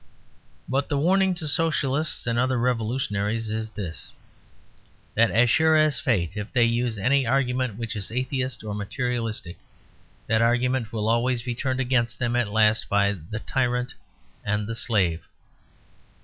But the warning to Socialists and other revolutionaries is this: that as sure as fate, if they use any argument which is atheist or materialistic, that argument will always be turned against them at last by the tyrant and the slave.